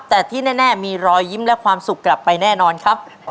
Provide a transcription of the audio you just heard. แต่ที่แน่มีรอยยิ้มและความสุขกลับไปแน่นอนครับ